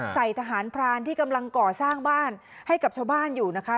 ใส่ทหารพรานที่กำลังก่อสร้างบ้านให้กับชาวบ้านอยู่นะคะ